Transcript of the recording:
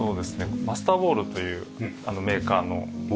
マスターウォールというメーカーのローソファ。